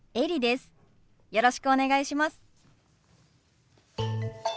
よろしくお願いします。